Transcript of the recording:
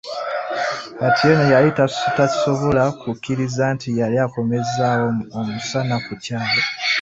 Atieno yali tasobola kukkikiriza nti yali akomezzawo omusana ku kyalo.